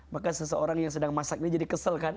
maka seseorang yang sedang masaknya jadi kesel kan